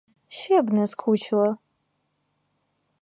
Ще б не скучила?